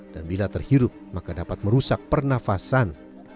dan bila terhirup maka dapat merusak pernafasan